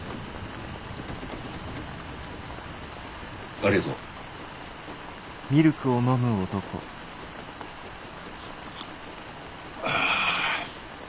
ありがとう。ああ。